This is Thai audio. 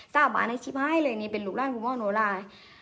สาบานในคลิปให้เลยนี่เป็นลูกหลานคุณพ่อโนลาย